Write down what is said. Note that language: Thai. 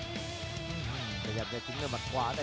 โดดเดชน์ทอตอร์จานแสนชัยกับยานิลลาลีนี่ครับ